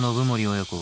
親子